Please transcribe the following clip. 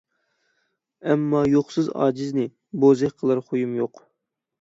ئەمما يوقسىز ئاجىزنى ،بوزەك قىلار خۇيۇم يوق.